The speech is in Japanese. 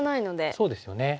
そうですよね。